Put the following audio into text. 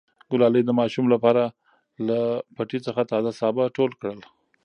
ګلالۍ د ماښام لپاره له پټي څخه تازه سابه ټول کړل.